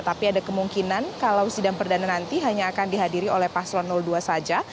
tapi ada kemungkinan kalau sidang perdana nanti hanya akan dihadiri oleh paslon dua saja